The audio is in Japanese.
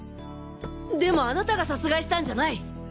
でもあなたが殺害したんじゃない！